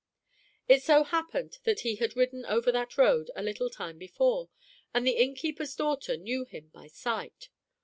It so happened that he had ridden over that road a little time before, and the innkeeper's daughter knew him by sight.